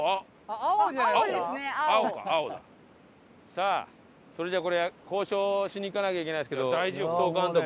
さあそれではこれ交渉しに行かなきゃいけないですけど総監督。